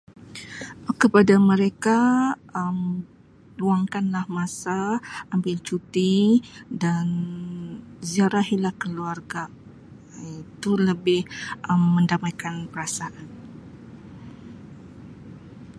Um Kepada mereka Um luangkanlah masa, ambil cuti dan ziarahi lah keluarga Um itu lebih mendamaikan perasaan.